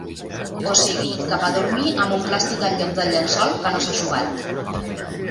O sigui, cap a dormir amb un plàstic en lloc del llençol que no s'ha eixugat.